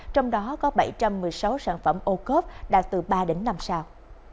trong đó có bảy trăm một mươi sáu sản phẩm ô cớp đạt từ ba đến năm sao